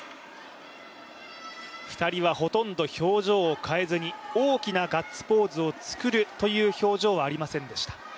２人は、ほとんど表情を変えずに大きなガッツポーズを作るという表情はありませんでした。